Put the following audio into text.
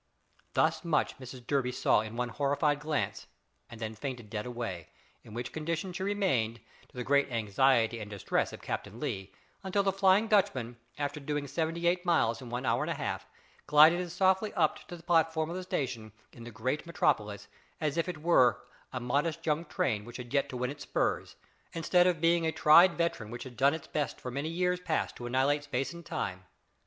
Thus much Mrs Durby saw in one horrified glance and then fainted dead away, in which condition she remained, to the great anxiety and distress of Captain Lee, until the "Flying Dutchman," after doing seventy eight miles in one hour and a half, glided as softly up to the platform of the station in the great Metropolis as if it were a modest young train which had yet to win its spurs, instead of being a tried veteran which had done its best for many years past to annihilate space and time.